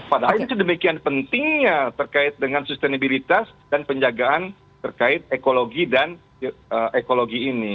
padahal itu demikian pentingnya terkait dengan sustenabilitas dan penjagaan terkait ekologi dan ekologi ini